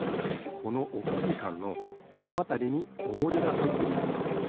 このおっきいカンのこのあたりにオモリがはいってるんです。